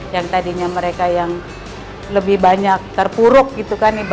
yang tadinya mereka yang lebih banyak terpuruk gitu kan